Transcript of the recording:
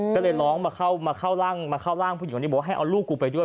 ก็เลยร้องมาเข้าร่างมาเข้าร่างผู้หญิงคนนี้บอกว่าให้เอาลูกกูไปด้วย